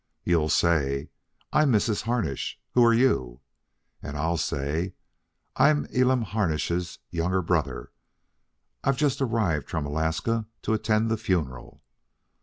You'll say, 'I'm Mrs. Harnish, who are you?' And I'll say, 'I'm Elam Harnish's younger brother. I've just arrived from Alaska to attend the funeral.'